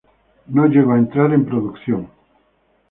No llegó a entrar en producción.